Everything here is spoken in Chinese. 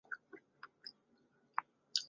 匙叶齿缘草为紫草科齿缘草属的植物。